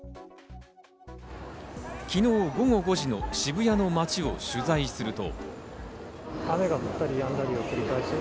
昨日午後５時の渋谷の街を取材すると。